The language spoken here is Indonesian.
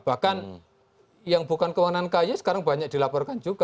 bahkan yang bukan kewarnaan ki sekarang banyak diberikan